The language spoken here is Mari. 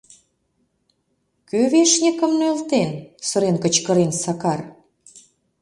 — Кӧ вешньыкым нӧлтен? — сырен кычкырен Сакар.